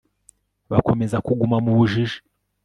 bakomeza kuguma mu bujiji